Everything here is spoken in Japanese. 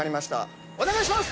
お願いします！